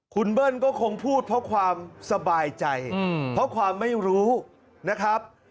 คุณเบิ้ลก็คงพูดเพราะความสบายใจเพราะความไม่รู้นะครับ